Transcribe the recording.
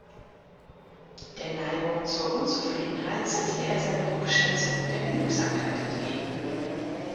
Der Neigung zur Unzufriedenheit setzte er seine Hochschätzung der Genügsamkeit entgegen.